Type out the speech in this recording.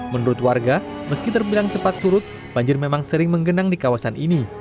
menurut warga meski terbilang cepat surut banjir memang sering menggenang di kawasan ini